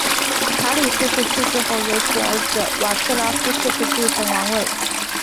查理四世去世后由其儿子瓦茨拉夫四世继承王位。